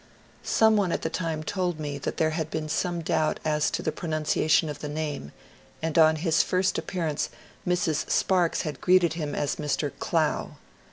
Some one at the time told me that there had been some doubt as to the pronunciation of the name, and on his first appearance Mrs. Sparks had greeted him as Mr. ^* Clow."